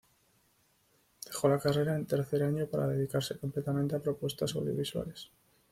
Dejó la carrera en tercer año para dedicarse completamente a propuestas audiovisuales.